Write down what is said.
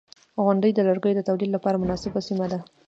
• غونډۍ د لرګیو د تولید لپاره مناسبه سیمه ده.